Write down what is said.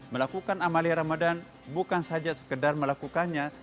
melakukan amalia ramadan bukan saja sekedar melakukannya